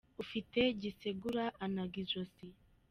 Ufite gisegura anaga ijosi.